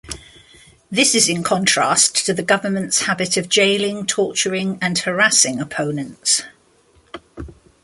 This is in contrast to the governments habit of jailing torturing and harassing opponents.